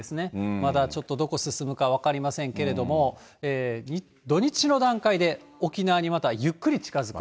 まだちょっとどこ進むか分かりませんけれども、土日の段階で沖縄にまたゆっくり近づく。